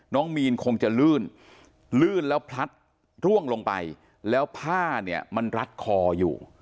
น้องมีนคงจะลื่นลื่นแล้วพลัดร่วงลงไปแล้วผ้าเนี่ยมันรัดคออยู่